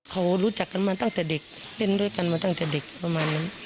เขารู้จักกันมาตั้งแต่เด็กเล่นด้วยกันมาตั้งแต่เด็กประมาณนั้น